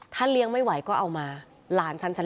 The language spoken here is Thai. ถ้าเลี้ยงไม่ไหวก็เอามาหลานฉัน